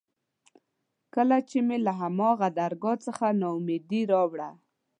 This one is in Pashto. کله چې مې له هماغه درګاه څخه نا اميدي راوړه.